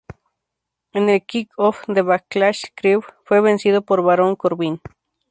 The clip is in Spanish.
En el Kick-Off de Backlash Crews fue vencido por Baron Corbin.